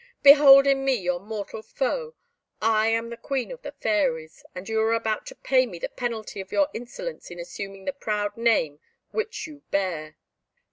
"Behold in me your mortal foe. I am the Queen of the Fairies, and you are about to pay to me the penalty of your insolence in assuming the proud name which you bear."